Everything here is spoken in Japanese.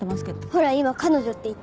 ほら今「彼女」って言った。